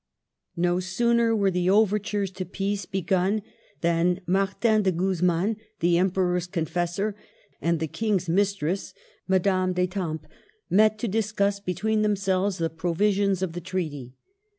No sooner were the overtures to peace be gun than Martin de Guzman, the Emperor's confessor, and the King's mistress, Madame d'Etampes, met to discuss between themselves the provisions of the treaty.